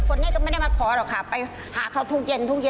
คนนี้ก็ไม่ได้มาขอหรอกค่ะไปหาเขาทุกเย็นทุกเย็น